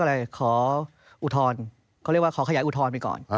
ก็เลยขออุทธรณ์เขาเรียกว่าขอขยายอุทธรณ์ไปก่อน